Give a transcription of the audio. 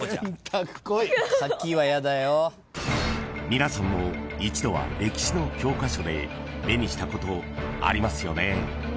［皆さんも一度は歴史の教科書で目にしたことありますよね］